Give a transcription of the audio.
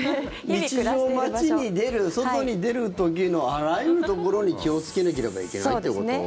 日常、街に出る、外に出る時のあらゆるところに気をつけなければいけないということ？